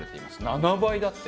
７倍だって。